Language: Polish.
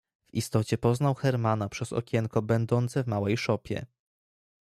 "W istocie poznał Hermana przez okienko będące w małej szopie."